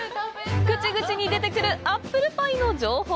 口々に出てくるアップルパイの情報。